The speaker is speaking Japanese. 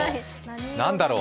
何だろう？